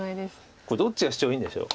これどっちがシチョウいいんでしょう。